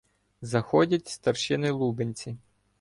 Заходять старшини-лубенці.